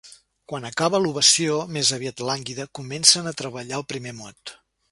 Quan acaba l'ovació, més aviat lànguida, comencen a treballar el primer mot.